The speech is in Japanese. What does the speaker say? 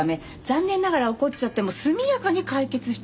残念ながら起こっちゃっても速やかに解決したいため。